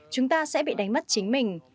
chúng ta sẽ bị đánh mất chính mình